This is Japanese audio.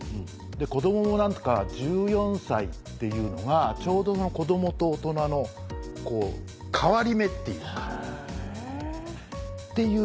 子どもも何か１４歳っていうのがちょうど子どもと大人の変わり目っていう気がすんのよ。